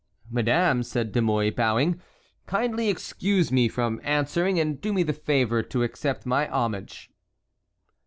"Madame," said De Mouy, bowing, "kindly excuse me from answering, and do me the favor to accept my homage."